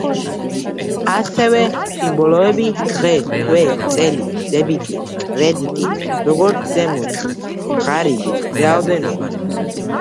ასევე სიმბოლოები: „დღე“, „თვე“, „წელი“, „დებიტი“, „კრედიტი“, „როგორც ზემოთ“, „ღარიბი“, „რაოდენობა“.